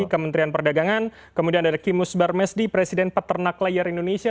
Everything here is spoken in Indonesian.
kementerian perdagangan kemudian ada kimus barmesdi presiden peternak layar indonesia